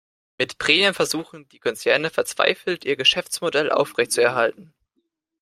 Mit Prämien versuchen die Konzerne verzweifelt, ihr Geschäftsmodell aufrechtzuerhalten.